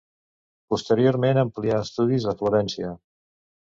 Posteriorment amplià estudis a Florència.